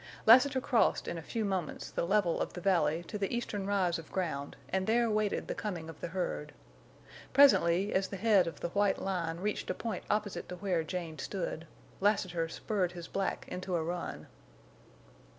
Lassiter crossed in a few moments the level of the valley to the eastern rise of ground and there waited the coming of the herd. Presently, as the head of the white line reached a point opposite to where Jane stood, Lassiter spurred his black into a run.